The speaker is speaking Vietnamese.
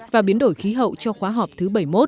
và biến đổi khí hậu cho khóa họp thứ bảy mươi một